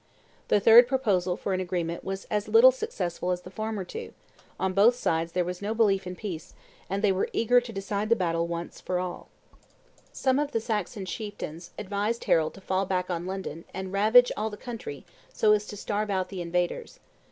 The third proposal for an agreement was as little successful as the former two; on both sides there was no belief in peace, and they were eager to decide the quarrel once for all. Some of the Saxon chieftains advised Harold to fall back on London, and ravage all the country, so as to starve out the invaders.